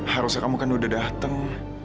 harusnya kamu kan udah datang